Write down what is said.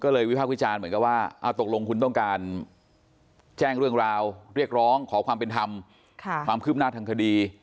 ก็เลยวิพากษ์วิจารณ์เหมือนกันว่าตกลงคุณต้องการแจ้งเรื่องราวเรียกร้องขอความเป็นธรรมความคืบหน้าทางคดี